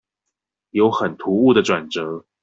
有很突兀的轉折